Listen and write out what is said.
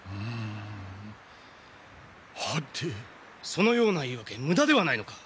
そのような言い訳無駄ではないのか？